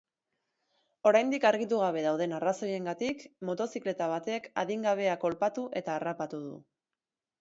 Oraindik argitu gabe dauden arrazoiengatik, motozikleta batek adingabea kolpatu eta harrapatu du.